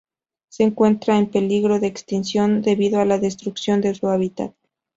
Se encuentra en peligro de extinción, debido a la destrucción de su hábitat.